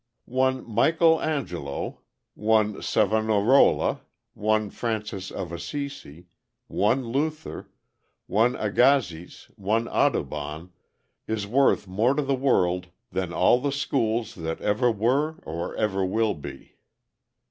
One Michael Angelo, one Savonarola, one Francis of Assisi, one Luther, one Agassiz, one Audubon, is worth more to the world than all the schools that ever were or ever will be.